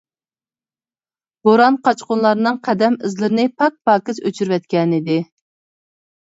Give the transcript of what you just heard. بوران قاچقۇنلارنىڭ قەدەم ئىزلىرىنى پاكپاكىز ئۆچۈرۈۋەتكەنىدى.